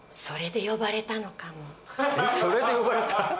それで呼ばれた？